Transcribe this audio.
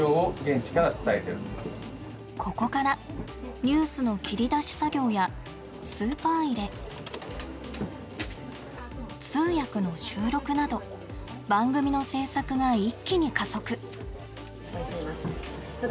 ここからニュースの切り出し作業やスーパー入れ通訳の収録など番組の制作が一気に加速。